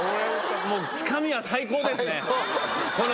つかみは最高ですね。